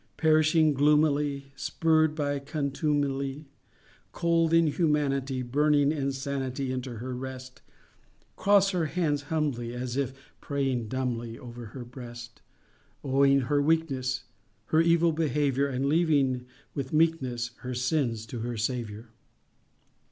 Perhishing gloomily, Spurred by contumely, Cold inhumanity, Burning insanity, Into her rest,— Cross her hands humbly, As if praying dumbly, Over her breast! Owning her weakness, Her evil behavior, And leaving, with meekness, Her sins to her Saviour!